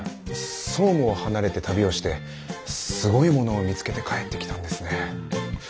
総務を離れて旅をしてすごいものを見つけて帰ってきたんですね。